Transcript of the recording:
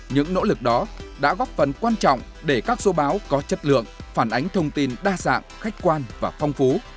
những nỗ lực đó đã góp phần quan trọng để các số báo có chất lượng phản ánh thông tin đa dạng khách quan và phong phú